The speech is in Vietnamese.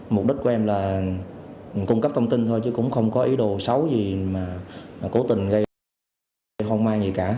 mục đích của em là cung cấp thông tin thôi chứ cũng không có ý đồ xấu gì mà cố tình gây không may gì cả